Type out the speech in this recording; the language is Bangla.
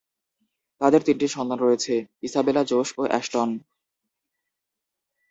তাদের তিনটি সন্তান রয়েছে: ইসাবেলা, জোশ এবং অ্যাশটন।